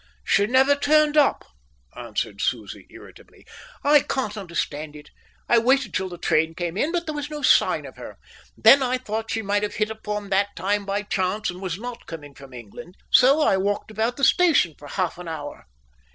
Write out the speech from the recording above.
"She never turned up," answered Susie irritably. "I can't understand it. I waited till the train came in, but there was no sign of her. Then I thought she might have hit upon that time by chance and was not coming from England, so I walked about the station for half an hour."